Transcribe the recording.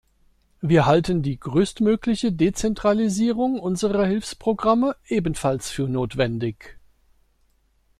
Wir halten die größtmögliche Dezentralisierung unserer Hilfsprogramme ebenfalls für notwendig.